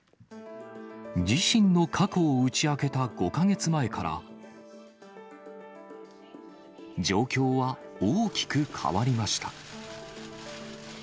自身の過去を打ち明けた５か月前から、状況は大きく変わりました。